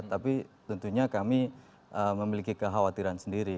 tapi tentunya kami memiliki kekhawatiran sendiri